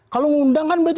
kalau ngundang kan berarti